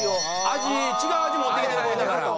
味違う味持ってきてた子いたから。